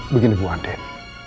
begini bu andin